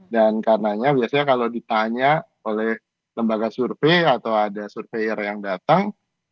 dan karenanya biasanya kalau ditanya oleh lembaga survei atau ada survei yang datang